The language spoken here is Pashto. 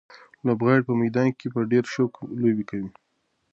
لوبغاړي په میدان کې په ډېر شوق لوبې کوي.